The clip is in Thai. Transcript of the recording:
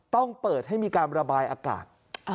ต้องเปิดให้มีการระบายอากาศ